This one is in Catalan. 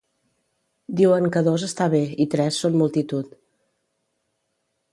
Diuen que dos està bé i tres són multitud